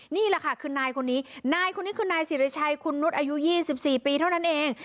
นี่แหละค่ะคือนายคนนี้นายคนนี้คือนายสิริชัยคุณนุษย์อายุ๒๔ปีเท่านั้นเอง